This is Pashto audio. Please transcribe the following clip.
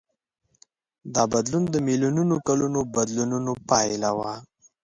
دا بدلون د میلیونونو کلونو بدلونونو پایله وه.